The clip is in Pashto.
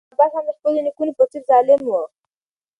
دوهم شاه عباس هم د خپلو نیکونو په څېر ظالم و.